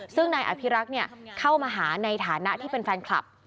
ซึ่งนายอภิรักษ์เข้ามาหาในฐานะที่เป็นแฟนคลับ